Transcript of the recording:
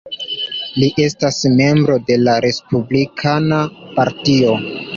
Li estas membro de la Respublikana Partio.